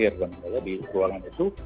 karena di ruangan itu